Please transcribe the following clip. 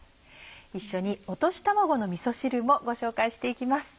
一緒に「落とし卵のみそ汁」もご紹介して行きます。